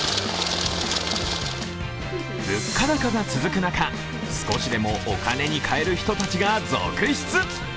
物価高が続く中、少しでもお金にかえる人たちが続出。